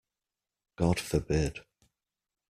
God forbid!